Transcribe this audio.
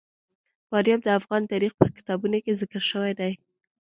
فاریاب د افغان تاریخ په کتابونو کې ذکر شوی دي.